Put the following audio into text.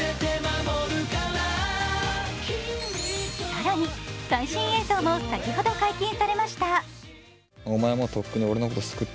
更に、最新映像も先ほど解禁されました。